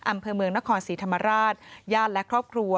อำเภอเมืองนครศรีธรรมราชญาติและครอบครัว